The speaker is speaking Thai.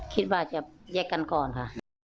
คิดว่าจะแยกกันก่อนค่ะ